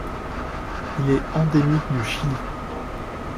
Il est endémique du Chili.